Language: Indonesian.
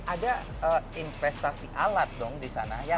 ada investasi alat dong di sana ya nggak sih